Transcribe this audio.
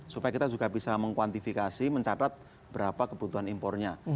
supaya kita juga bisa mengkuantifikasi mencatat berapa kebutuhan impornya